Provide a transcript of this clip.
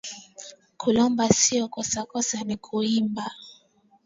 Kulomba siyo kosa kosa ni kuiba